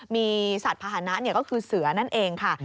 มีสัตว์ภาษณะก็คือเสือนั่นเองค่ะ